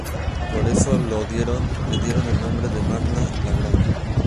Por eso la dieron el nombre de "Magna", la Grande.